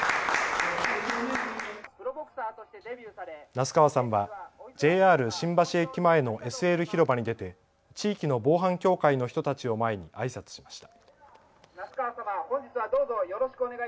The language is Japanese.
那須川さんはＪＲ新橋駅前のＳＬ広場に出て地域の防犯協会の人たちを前にあいさつしました。